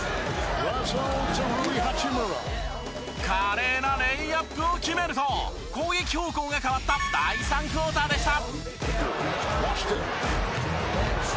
華麗なレイアップを決めると攻撃方向が変わった第３クオーターでした。